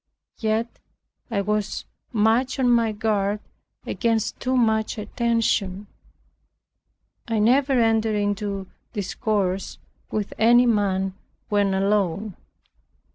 Yet I was much on my guard against too much attention. I never entered into discourse with any man when alone.